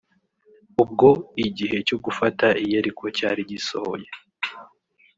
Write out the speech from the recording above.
ubwo igihe cyo gufata i yeriko cyari gisohoye